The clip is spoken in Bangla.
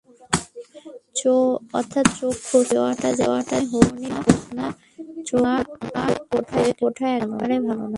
অর্থাৎ চোখে খোঁচা দেওয়াটা যেমনি হোক-না, চোখটা রাঙা হয়ে ওঠা একেবারেই ভালো নয়।